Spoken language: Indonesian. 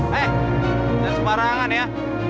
hei jangan sembarangan ya